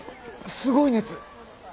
すごい熱。